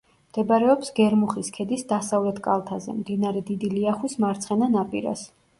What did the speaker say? მდებარეობს გერმუხის ქედის დასავლეთ კალთაზე, მდინარე დიდი ლიახვის მარცხენა ნაპირას.